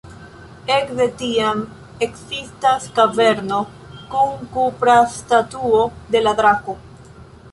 Ekde tiam ekzistas kaverno kun kupra statuo de la drako.